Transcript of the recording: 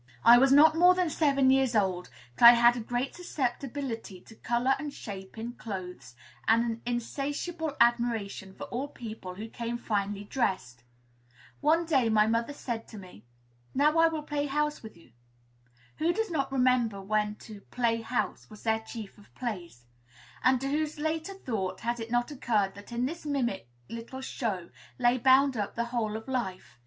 I was not more than seven years old; but I had a great susceptibility to color and shape in clothes, and an insatiable admiration for all people who came finely dressed. One day, my mother said to me, "Now I will play 'house' with you." Who does not remember when to "play house" was their chief of plays? And to whose later thought has it not occurred that in this mimic little show lay bound up the whole of life?